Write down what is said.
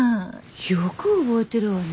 よく覚えてるわね